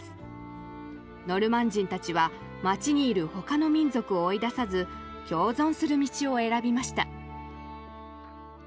ノルマン人たちは街にいる他の民族を追い出さず共存する道を選びました。